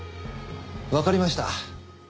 わかりました。